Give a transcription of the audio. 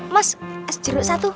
mas es jeruk satu